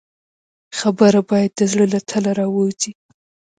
خبره باید د زړه له تله راووځي.